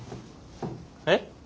えっ？